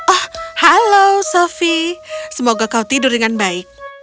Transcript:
oh halo sofie semoga kau tidur dengan baik